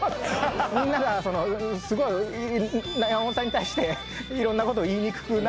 みんながすごい山本さんに対していろんなこと言いにくくなって。